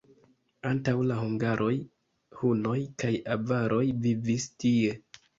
Antaŭ la hungaroj hunoj kaj avaroj vivis tie.